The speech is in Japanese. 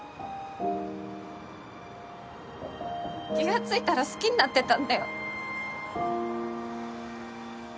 気が付いたら好きになってたんだよ。